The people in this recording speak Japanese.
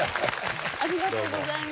ありがとうございます。